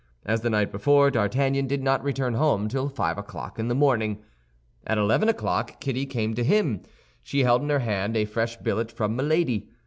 As the night before, D'Artagnan did not return home till five o'clock in the morning. At eleven o'clock Kitty came to him. She held in her hand a fresh billet from Milady.